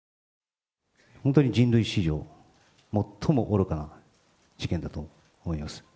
本当に人類史上最も愚かな事件だと思います。